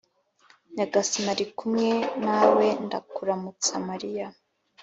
nyagasani ari kumwe nawendakuramutsa mariya,